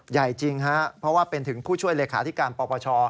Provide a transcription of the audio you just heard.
ใหญ่จริงฮะเพราะว่าเป็นถึงผู้ช่วยเลขาธิการปปช